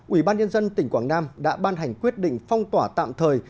ủy ban nhân dân tỉnh quảng nam đã ban hành quyết định phong tỏa tạm thời